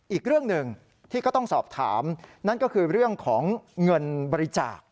อีกเรื่องหนึ่งที่ก็ต้องสอบถามนั่นก็คือเรื่องของเงินบริจาค